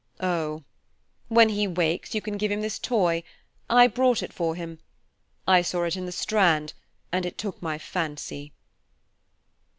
"Oh! when he wakes, you can give him this toy. I brought it for him; I saw it in the Strand, and it took my fancy."